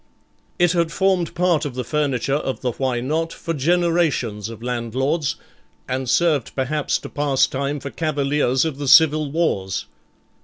It had formed part of the furniture of the Why Not? for generations of landlords, and served perhaps to pass time for cavaliers of the Civil Wars.